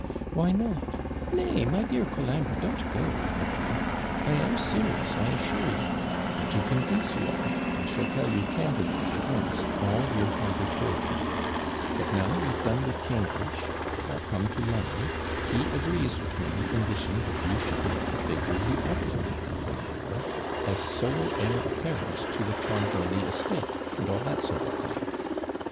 'Why not? Nay, my dear Colambre, don't go, I beg I am serious, I assure you and, to convince you of it, I shall tell you candidly, at once, all your father told me: that now you've done with Cambridge, and are come to Lon'on, he agrees with me in wishing that you should make the figure you ought to make, Colambre, as sole heir apparent to the Clonbrony estate, and all that sort of thing.